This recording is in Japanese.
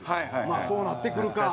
まあそうなってくるか。